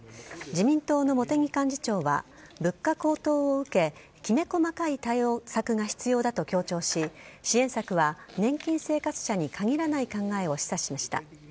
自民党の茂木幹事長は、物価高騰を受け、きめ細かい対策が必要だと強調し、支援策は年金生活者に限らない考えを示唆しました。